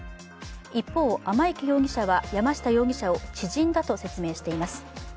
一方、天池容疑者は山下容疑者を知人だと説明しています。